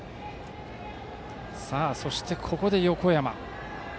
そして、ここで横山。